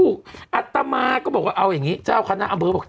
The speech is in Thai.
อัตมาก็บอกว่าเอาอย่างนี้เจ้าคณะอำเภอบอก